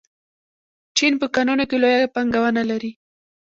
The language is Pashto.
چین په کانونو کې لویه پانګونه لري.